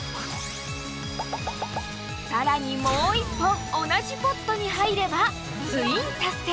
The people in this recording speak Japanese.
さらにもう１本同じポットにはいればツイン達成！